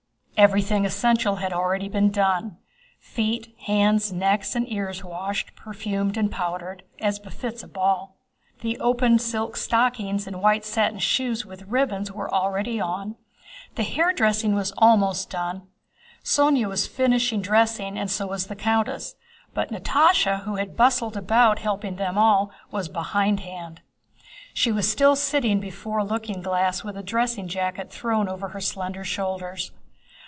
Everything essential had already been done; feet, hands, necks, and ears washed, perfumed, and powdered, as befits a ball; the openwork silk stockings and white satin shoes with ribbons were already on; the hairdressing was almost done. Sónya was finishing dressing and so was the countess, but Natásha, who had bustled about helping them all, was behindhand. She was still sitting before a looking glass with a dressing jacket thrown over her slender shoulders.